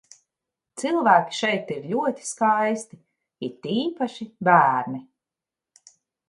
Cilvēki šeit ir ļoti skaisti, it īpaši bērni.